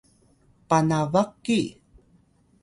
panabaq ki!